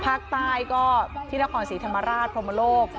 ภาคใต้ก็ที่นครศรีธรรมราชพรมโลก